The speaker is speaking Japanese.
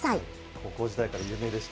高校時代から有名でした。